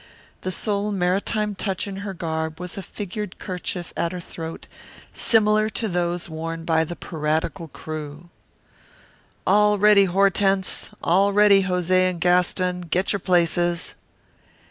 The sole maritime touch in her garb was a figured kerchief at her throat similar to those worn by the piratical crew. "All ready, Hortense all ready Jose and Gaston, get your places."